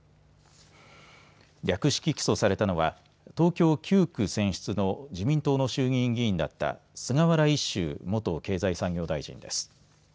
略式起訴されたのは東京９区選出の自民党の衆議院議員だった菅原一秀元経済産業大臣です。